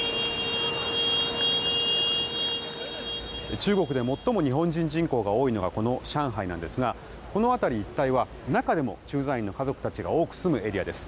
中国で最も日本人人口が多いのがこの上海なんですがこの辺り一帯は中でも駐在員の家族たちが多く住むエリアです。